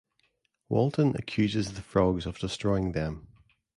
Walton accuses the frogs of destroying them.